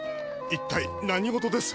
一体何事です